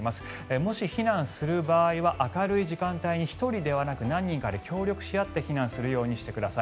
もし避難する場合は明るい時間帯に１人ではなく何人かで協力し合って避難するようにしてください。